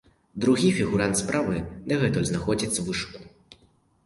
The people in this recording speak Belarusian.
Другі фігурант справы дагэтуль знаходзіцца ў вышуку.